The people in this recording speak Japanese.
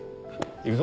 行くぞ。